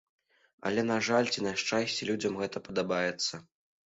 Але на жаль, ці на шчасце, людзям гэта падабаецца.